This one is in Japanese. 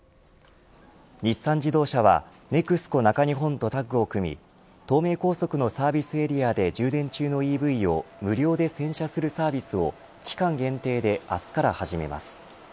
日産自動車はＮＥＸＣＯ中日本とタッグを組み東名高速のサービスエリアで充電中のＥＶを無料で洗車するサービスを期間限定で明日から始めます。